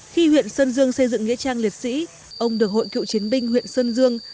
khi huyện sơn dương xây dựng nghĩa trang liệt sĩ ông được hội cựu chiến binh huyện sơn dương